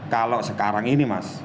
kalau sekarang ini mas